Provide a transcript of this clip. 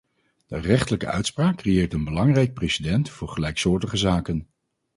De rechterlijke uitspraak creëert een belangrijk precedent voor gelijksoortige zaken.